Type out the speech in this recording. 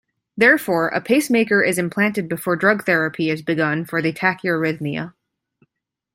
Therefore, a pacemaker is implanted before drug therapy is begun for the tachyarrhythmia.